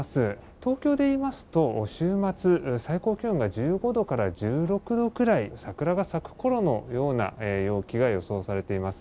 東京でいいますと週末最高気温が１５度から１６度くらい桜が咲くころの陽気が予想されています。